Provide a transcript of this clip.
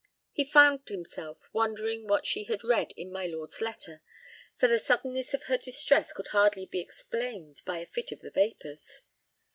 He found himself wondering what she had read in my lord's letter, for the suddenness of her distress could hardly be explained by a fit of the vapors.